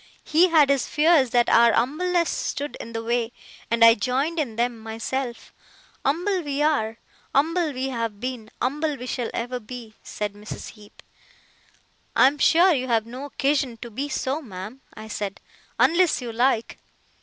He had his fears that our umbleness stood in the way, and I joined in them myself. Umble we are, umble we have been, umble we shall ever be,' said Mrs. Heep. 'I am sure you have no occasion to be so, ma'am,' I said, 'unless you like.